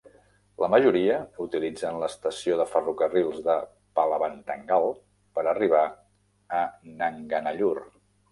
La majoria utilitzen l'estació de ferrocarrils de Palavanthangal per arribar a Nanganallur.